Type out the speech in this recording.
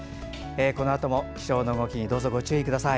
このあとも気象の動きにどうぞご注意ください。